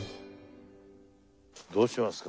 どうしますか？